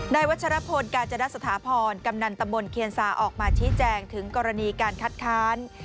วัชรพลกาจนสถาพรกำนันตำบลเคียนซาออกมาชี้แจงถึงกรณีการคัดค้าน